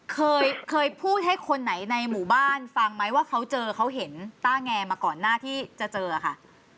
เคยเคยพูดให้คนไหนในหมู่บ้านฟังไหมว่าเขาเจอเขาเห็นต้าแงมาก่อนหน้าที่จะเจอค่ะ